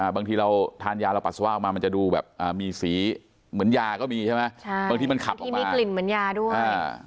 บางทีทานยาปัสสาวะเข้ามามันจะดูแบบมีสีเหมือนยาก็มีใช่ไหมบางทีมีกลิ่นเหมือนยาด้วย